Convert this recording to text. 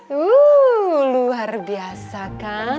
wuuu luar biasa kan